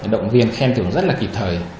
động viên khen từ rất là kịp thời